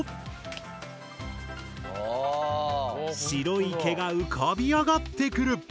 白い毛が浮かび上がってくる。